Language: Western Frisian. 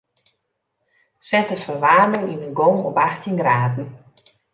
Set de ferwaarming yn 'e gong op achttjin graden.